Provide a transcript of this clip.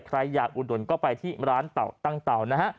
ใครอยากอุดนุนก็ไปที่ร้านต่างนะฮะ